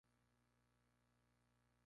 Posee unos parches castaños en sus laterales.